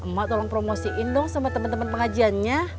mak tolong promosiin dong sama temen temen pengajiannya